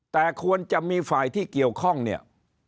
แต่ควรจะมีฝ่ายที่เกี่ยวข้องเนี่ย